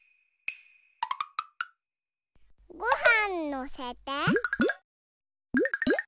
ごはんのせて。